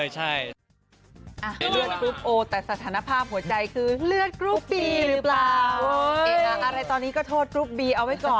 จริงเลือดกุบบี